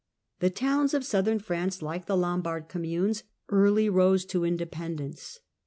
The towns of southern France, like the Lombard communes, early rose to independence.